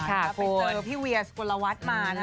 ไปเจอพี่เวียสกุลวัดมานะ